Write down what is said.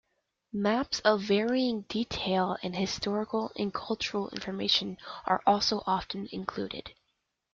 Maps of varying detail and historical and cultural information are also often included.